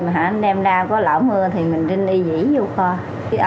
mà hẳn đem ra có lỡ mưa thì mình rinh y dĩ vô kho